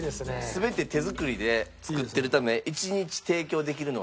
全て手作りで作ってるため１日提供できるのは３２個限定。